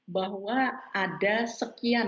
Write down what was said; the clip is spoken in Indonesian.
bahwa ada sekian